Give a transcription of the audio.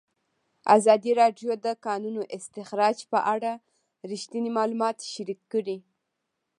ازادي راډیو د د کانونو استخراج په اړه رښتیني معلومات شریک کړي.